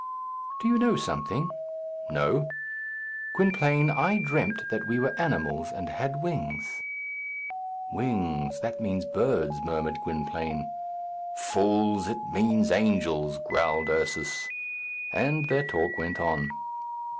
"Do you know something?" "No." "Gwynplaine, I dreamt that we were animals, and had wings." "Wings; that means birds," murmured Gwynplaine. "Fools! it means angels," growled Ursus. And their talk went on.